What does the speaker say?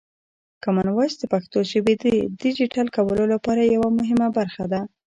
کامن وایس د پښتو ژبې د ډیجیټل کولو لپاره یوه مهمه برخه ده.